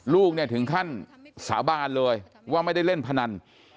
ลูกเนี่ยถึงขั้นสาบานเลยว่าไม่ได้เล่นพนัน